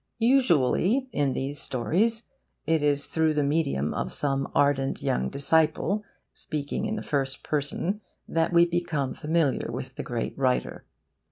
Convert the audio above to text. Usually, in these stories, it is through the medium of some ardent young disciple, speaking in the first person, that we become familiar with the great writer.